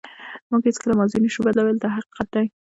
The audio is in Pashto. موږ هیڅکله ماضي نشو بدلولی دا حقیقت دی.